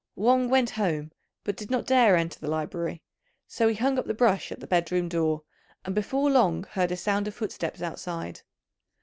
Wang went home, but did not dare enter the library; so he hung up the brush at the bedroom door, and before long heard a sound of footsteps outside.